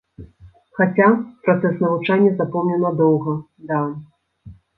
Хаця, працэс навучання запомню надоўга, да.